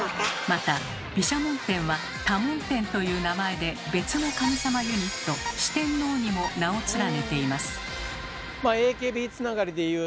また毘沙門天は「多聞天」という名前で別の神様ユニット「四天王」にも名を連ねています。